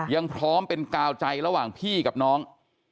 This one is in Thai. ยังพร้อมเป็นกาวใจระหว่างพี่กับน้อง